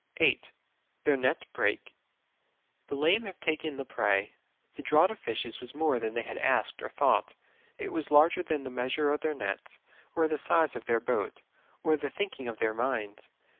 8. Their net brake y "The lame have taken I he pre}'. '' The draught of fishes was more than they asked or thought ; it was larger than the measure of their nets, or the size of their boat, or the thinking of their minds.